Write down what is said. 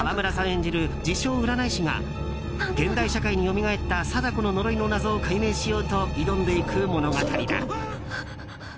演じる自称占い師が現代社会によみがえった貞子の呪いの謎を解明しようと挑んでいく物語だ。